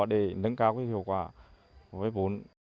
để nâng cao hiệu quả vay vốn